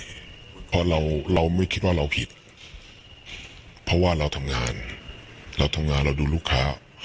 เพราะเราเราไม่คิดว่าเราผิดเพราะว่าเราทำงานเราทำงานเราดูลูกค้า